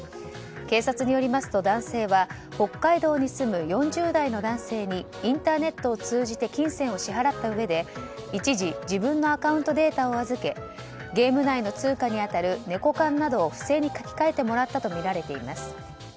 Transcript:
警察によりますと、男性は北海道に住む４０代の男性にインターネットを通じて金銭を支払ったうえで一時自分のアカウントデータを預けゲーム内の通貨に当たるネコカンなどを不正に書き換えてもらったとみられています。